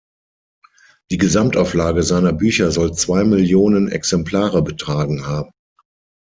Die Gesamtauflage seiner Bücher soll zwei Millionen Exemplare betragen haben.